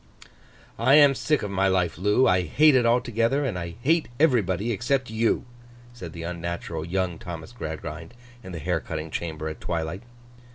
'I am sick of my life, Loo. I, hate it altogether, and I hate everybody except you,' said the unnatural young Thomas Gradgrind in the hair cutting chamber at twilight.